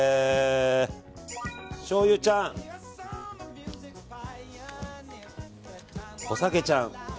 しょうゆちゃん、お酒ちゃん。